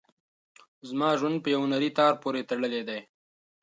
زما ژوند په یوه نري تار پورې تړلی دی.